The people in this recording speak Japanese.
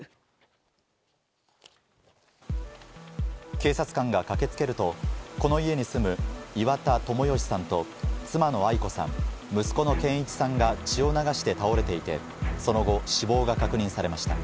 警察官が駆けつけると、この家に住む岩田友義さんと妻の愛子さん、息子の健一さんが血を流して倒れていて、その後、死亡が確認されました。